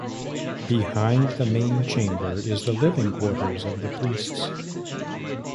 Behind the main chamber is the living quarters of the priests.